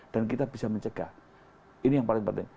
dan kita bisa mencegah ini yang paling penting